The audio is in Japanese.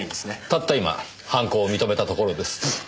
たった今犯行を認めたところです。